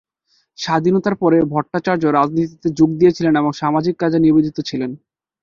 স্বাধীনতার পরে ভট্টাচার্য রাজনীতিতে যোগ দিয়েছিলেন এবং সামাজিক কাজে নিবেদিত ছিলেন।